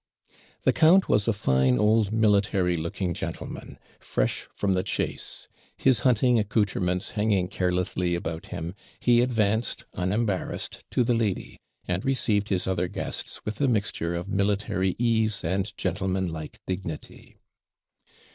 The count was a fine old military looking gentleman, fresh from the chace: his hunting accoutrements hanging carelessly about him, he advanced, unembarrassed, to the lady; and received his other guests with a mixture of military ease and gentleman like dignity.